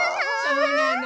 そうなの。